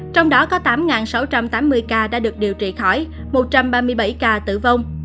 trong đó có tám sáu trăm tám mươi ca đã được điều trị khỏi một trăm ba mươi bảy ca tử vong